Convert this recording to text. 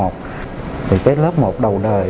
thì cái lớp một đầu đời